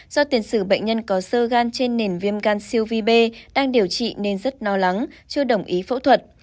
do tiền sử bệnh nhân có sơ gan trên nền viêm gan siêu vi b đang điều trị nên rất lo lắng chưa đồng ý phẫu thuật